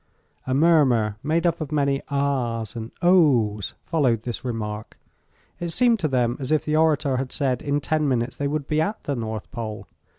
A murmur, made up of many "Ahs!" and "Ohs!" followed this remark. It seemed to them as if the orator had said in ten minutes they would be at the North Pole.